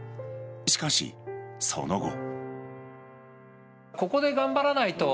しかし、その後。